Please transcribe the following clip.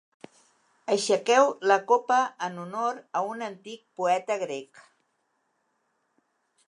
Aixequeu la copa en honor a un antic poeta grec.